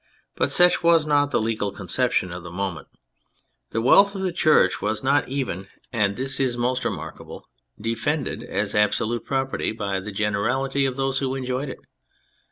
But such was not the legal conception of the moment. The wrath of the Church was not 234 THE FRENCH REVOLUTION even (and this is most remarkable) defended as absolute property by the generality of those who enjoyed it.